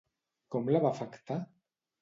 Com la va afectar?